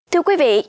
thưa quý vị